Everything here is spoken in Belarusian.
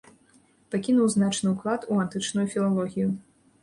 Пакінуў значны ўклад у антычную філалогію.